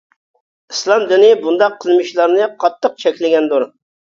ئىسلام دىنى بۇنداق قىلمىشلارنى قاتتىق چەكلىگەندۇر.